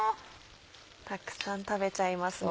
たくさん食べちゃいますね。